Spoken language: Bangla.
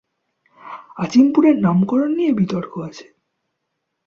আজিমপুর এর নামকরণ নিয়ে বিতর্ক আছে।